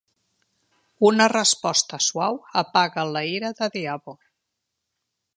Una resposta suau apaga la ira de Diabo